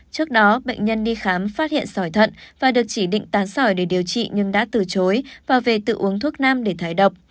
trước đó bệnh nhân đi khám phát hiện sỏi thận và được chỉ định tán sỏi để điều trị nhưng đã từ chối và về tự uống thuốc nam để thải độc